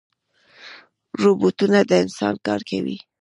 روبوټونه د انسان کار کوي